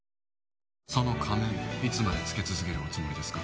その仮面、いつまでつけ続けるおつもりですか。